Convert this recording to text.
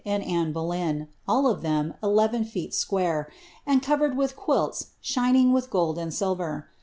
and Anne Boleyn, all of them eleven feet square, and covered with quilts shining with gold and silver.